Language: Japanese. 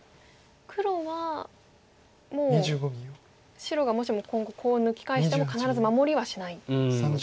黒はもう白がもしも今後コウを抜き返しても必ず守りはしないんですか。